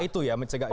itu mencegah itu ya